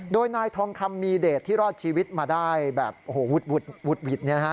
โดยนายทองคำมีเดชที่รอดชีวิตมาได้แบบโอ้โหวุดหวิด